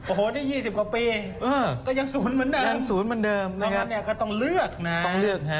โอ้โหนี่ยี่สิบกว่าปีก็ยังศูนย์เหมือนเดิมแล้วก็ต้องเลือกนะ